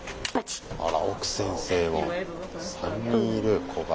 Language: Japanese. あらオク先生も３人いる子が。